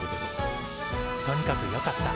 とにかくよかった。